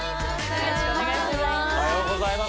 よろしくお願いします。